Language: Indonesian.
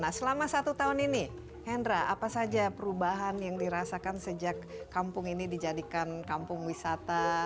nah selama satu tahun ini hendra apa saja perubahan yang dirasakan sejak kampung ini dijadikan kampung wisata